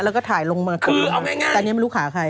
แล้วก็ถ่ายลงมาตรงนี้ไม่รู้ขาวใคร